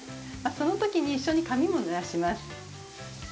その時に一緒に髪もぬらします。